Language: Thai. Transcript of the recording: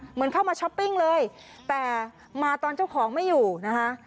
เหมือนเข้ามาช้อปปิ้งเลยแต่มาตอนเจ้าของไม่อยู่นะคะ